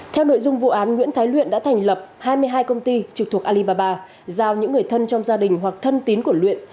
theo nội dung vụ án nguyễn thái luyện đã thành lập hai mươi hai công ty trực thuộc alibaba giao những người thân trong gia đình hoặc thân tín của luyện